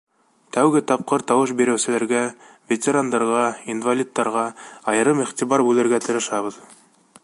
Тәүге тапҡыр тауыш биреүселәргә, ветерандарға, инвалидтарға айырым иғтибар бүлергә тырышабыҙ.